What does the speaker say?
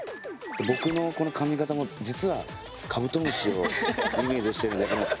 僕のこの髪形も実はカブトムシをイメージしてるんだけど。